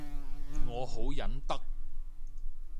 我好忍得